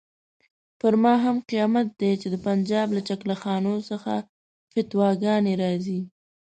پر ما هم قیامت دی چې د پنجاب له چکله خانو څخه فتواګانې راځي.